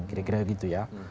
kira kira begitu ya